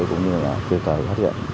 cũng như kịp thời phát hiện